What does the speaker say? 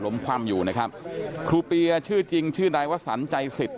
ล้มคว่ำอยู่นะครับครูเปรียชื่อจริงชื่อใดว่าสันใจสิทธิ์